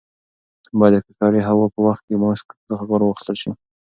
باید د ککړې هوا په وخت کې له ماسک څخه کار واخیستل شي.